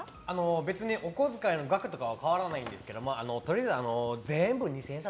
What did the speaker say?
別にお小遣いの額とかは変わらないんですけどとりあえず、全部二千円札。